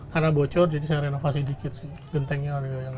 karena bocor jadi saya renovasi sedikit bentengnya